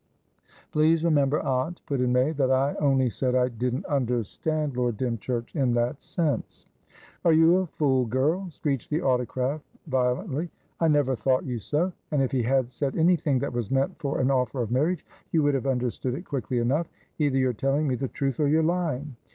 "Please remember, aunt," put in May, "that I only said I didn't understand Lord Dymchurch in that sense." "Are you a fool, girl!" screeched the autocrat, violently. "I never thought you so, and if he had said anything that was meant for an offer of marriage, you would have understood it quickly enough. Either you're telling me the truth, or you're lying.